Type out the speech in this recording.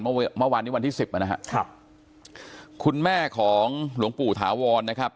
เมื่อวานนี้วันที่สิบอ่ะนะฮะครับคุณแม่ของหลวงปู่ถาวรนะครับ